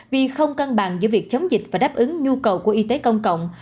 vì không cân bằng giữa việc chống dịch và đáp ứng nhu cầu của y tế công cộng